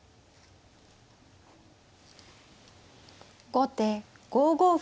後手５五歩。